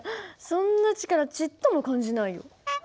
そんな力ちっとも感じないよ。